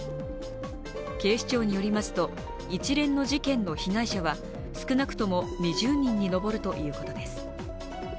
警視庁によりますと一連の事件の被害者は少なくとも２０人に上るということです。